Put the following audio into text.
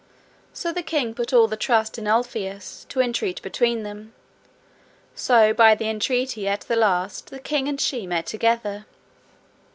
So the king put all the trust in Ulfius to entreat between them, so by the entreaty at the last the king and she met together.